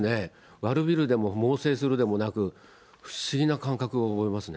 悪びれるでも猛省するでもなく、不思議な感覚を覚えますね。